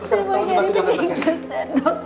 saya mau cari mending